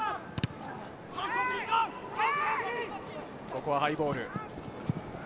ここはハイボール。